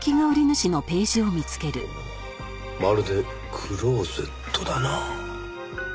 まるでクローゼットだな。